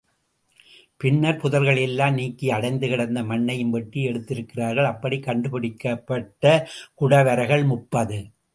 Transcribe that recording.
பின்னர் புதர்களை எல்லாம் நீக்கி அடைந்து கிடந்த மண்ணையும் வெட்டி எடுத்திருக்கிறார்கள், அப்படிக் கண்டுபிடிக்கப்பட்ட குடவரைகள் முப்பது.